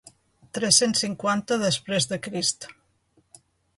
Tres-cents cinquanta després de Crist.